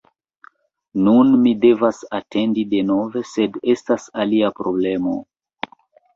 Nun mi devas atendi denove, sed estas alia problemo: